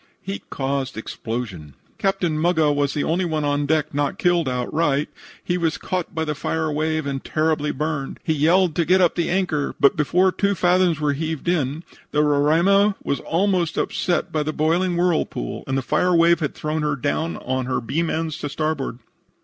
HEAT CAUSED EXPLOSIONS "Captain Muggah was the only one on deck not killed outright. He was caught by the fire wave and terribly burned. He yelled to get up the anchor, but, before two fathoms were heaved in the Roraima was almost upset by the boiling whirlpool, and the fire wave had thrown her down on her beam ends to starboard.